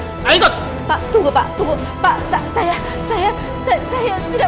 kalian berdua secara sebenar kenon